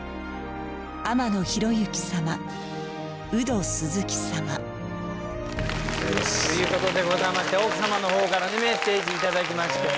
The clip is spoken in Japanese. という事でございまして奥様の方からねメッセージ頂きまして。